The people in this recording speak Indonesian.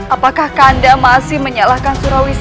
apakah kandang masih menyalahkan surawisesa